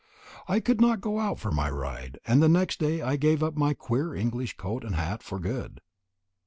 I could not go out for my ride, and the next day I gave up my queer English coat and hat for good.